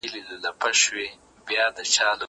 زه بايد سبزیجات جمع کړم؟